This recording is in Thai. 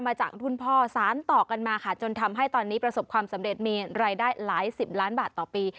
จากรุ่นพ่อสารต่อกันมาค่ะจนทำให้ตอนนี้ประสบความสำเร็จมีรายได้หลายสิบล้านบาทต่อปี